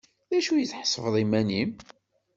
D acu tḥesbeḍ iman-im?